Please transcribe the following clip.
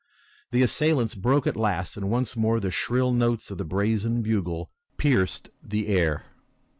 The assailants broke at last and once more the shrill notes of the brazen bugle pierced the air.